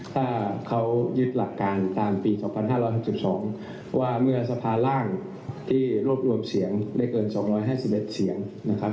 ถ้าเขายึดหลักการตามปี๒๕๖๒ว่าเมื่อสภาร่างที่รวบรวมเสียงไม่เกิน๒๕๑เสียงนะครับ